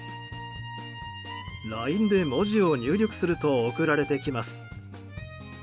ＬＩＮＥで文字を入力すると送られてきます。